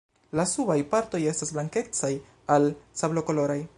La subaj partoj estas blankecaj al sablokoloraj.